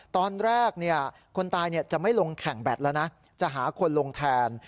ตอนแรกคนตายจะไม่ลงแข่งแบตแล้วนะจะหาคนลงแทน